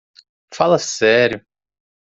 Fala sério!